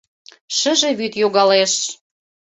Шыже вӱд йогалеш